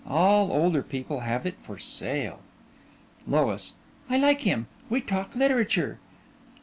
All older people have it for sale. LOIS: I like him. We talk literature.